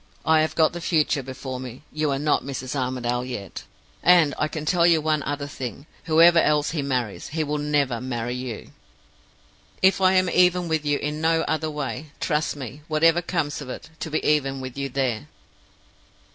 I have got the future before me; you are not Mrs. Armadale yet! And I can tell you one other thing whoever else he marries, he will never marry you. If I am even with you in no other way, trust me, whatever comes of it, to be even with you there!